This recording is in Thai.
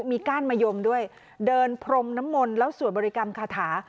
มีก้านมะยมด้วยเดินพรมน้ำมนต์แล้วสวดบริกรรมคาถา